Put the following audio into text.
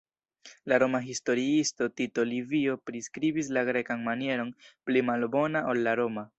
La Roma historiisto Tito Livio priskribis la grekan manieron pli malbona ol la roma.